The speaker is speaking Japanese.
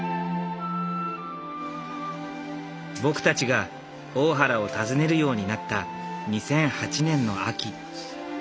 僕たちが大原を訪ねるようになった２００８年の秋。